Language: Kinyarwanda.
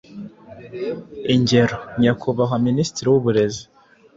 Ingero: Nyakubahwa Minisitiri w’Uburezi.